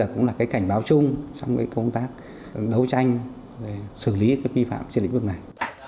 cũng là cảnh báo chung trong công tác đấu tranh xử lý vi phạm trên lĩnh vực này